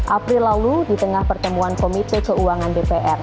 april lalu di tengah pertemuan komite keuangan dpr